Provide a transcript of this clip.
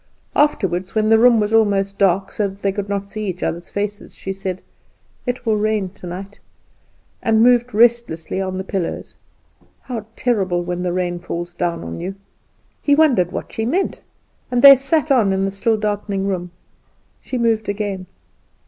Afterward, when the room was almost dark, so that they could not see each other's faces, she said, "It will rain tonight;" and moved restlessly on the pillows. "How terrible when the rain falls down on you." He wondered what she meant, and they sat on in the still darkening room. She moved again.